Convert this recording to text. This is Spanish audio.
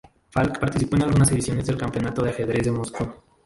Falk participó en algunas ediciones del Campeonato de Ajedrez de Moscú.